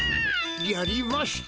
やりました。